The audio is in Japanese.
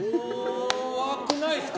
怖くないですか？